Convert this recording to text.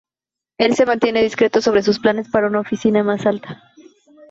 Él se mantiene discreto sobre sus planes para una oficina más alta.